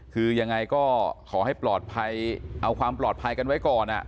คือยังไงก็ขอให้ปลอดภัยเอาความปลอดภัยกันไว้ก่อน